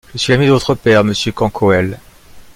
Je suis l’ami de votre père, monsieur Canquoëlle